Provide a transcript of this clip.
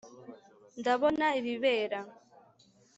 Ndabona ibibera